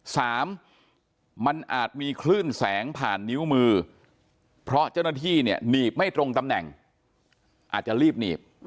สามมันอาจมีคลื่นแสงผ่านนิ้วมือเพราะเจ้าหน้าที่เนี่ยหนีบไม่ตรงตำแหน่งอาจจะรีบหนีบ